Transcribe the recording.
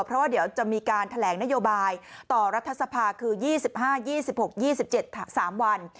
เพราะว่าเดี๋ยวจะมีการแถลงนโยบายต่อรัฐสภาคือ๒๕๒๖๒๗๓วัน